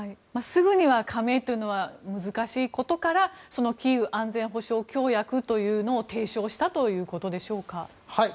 すぐには加盟というのは難しいことからキーウ安全保障協約というのを提唱したということでしょうか。